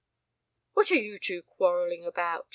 "What are you two quarrelling about?"